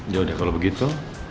ya udah kalau begitu